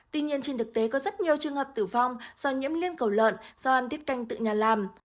tuy nhiên trên thực tế có rất nhiều trường hợp tử vong do nhiễm liên cầu lợn do ăn tiết canh tự nhà làm